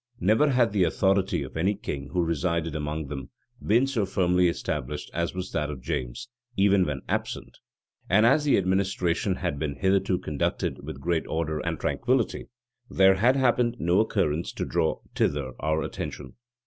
Never had the authority of any king who resided among them, been so firmly established as was that of James, even when absent; and as the administration had been hitherto conducted with great order and tranquillity, there had happened no occurrence to draw thither our attention.